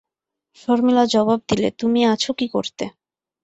শর্মিলা জবাব দিলে, তুমি আছ কী করতে।